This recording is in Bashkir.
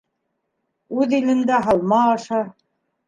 Үҙ илендә һалма аша